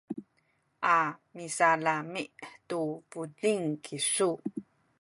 a misalami’ tu buting kisu.